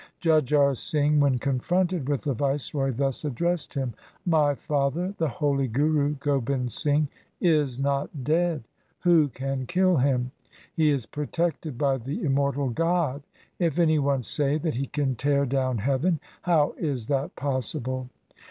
Jujhar Singh when confronted with the viceroy thus addressed him :' My father, the holy Guru Gobind Singh is not dead. Who can kill him ? He is protected by the immortal God. If any one say that he can tear down heaven, how is that possible